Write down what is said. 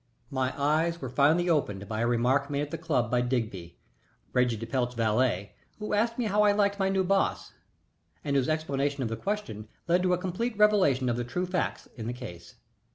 My eyes were finally opened by a remark made at the club by Digby, Reggie de Pelt's valet, who asked me how I liked my new boss, and whose explanation of the question led to a complete revelation of the true facts in the case.